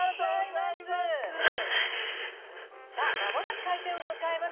◆さあ間もなく開店を迎えます